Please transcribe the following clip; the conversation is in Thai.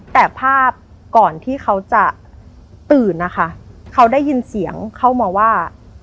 แต่ภาพก่อนที่เขาจะตื่นนะคะเขาได้ยินเสียงเข้ามาว่า